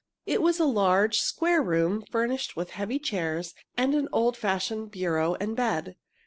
It was a large, square room, furnished with heavy chairs and an old fashioned bureau and bed.